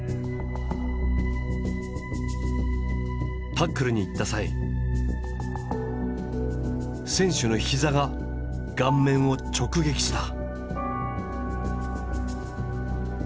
タックルに行った際選手の膝が顔面を直撃した。